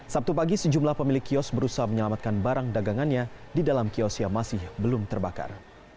sabtu pagi sejumlah pemilik kios berusaha menyelamatkan barang dagangannya di dalam kios yang masih belum terbakar